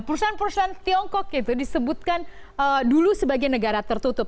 perusahaan perusahaan tiongkok itu disebutkan dulu sebagai negara tertutup